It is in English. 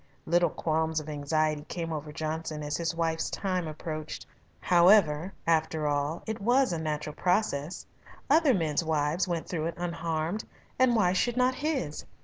Little qualms of anxiety came over Johnson as his wife's time approached. However, after all, it was a natural process. Other men's wives went through it unharmed, and why should not his?